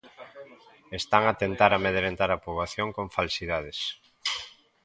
Están a tentar amedrentar a poboación con falsidades.